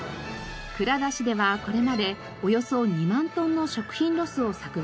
クラダシではこれまでおよそ２万トンの食品ロスを削減。